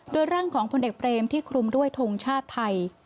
โดยร่างของพลเอกเบรมที่คลุมด้วยทงชาติไทย